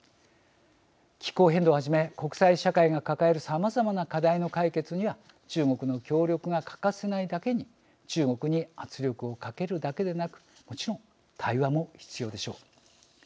気候変動をはじめ国際社会が抱えるさまざまな課題の解決には中国の協力が欠かせないだけに中国に圧力をかけるだけでなくもちろん対話も必要でしょう。